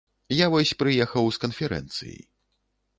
Я вось прыехаў з канферэнцыі.